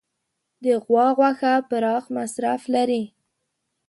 د غوا غوښه پراخ مصرف لري.